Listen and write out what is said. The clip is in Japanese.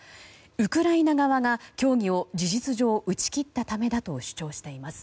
ウクライナ側が協議を事実上、打ち切ったためだと主張しています。